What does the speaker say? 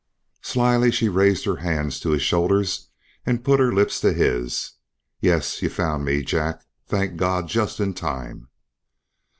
Shyly she raised her hands to his shoulders and put her lips to his. "Yes, you've found me, Jack, thank God! just in time!"